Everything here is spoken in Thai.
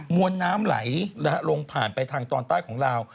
วนน้ำไหลลงผ่านไปทางตอนใต้ของลาว